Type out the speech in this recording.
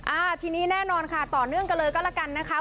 อ่าทีนี้แน่นอนค่ะต่อเนื่องกันเลยก็แล้วกันนะคะ